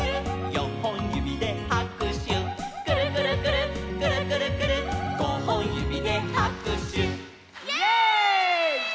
「よんほんゆびではくしゅ」「くるくるくるっくるくるくるっ」「ごほんゆびではくしゅ」イエイ！